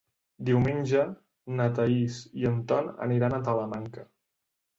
Diumenge na Thaís i en Ton aniran a Talamanca.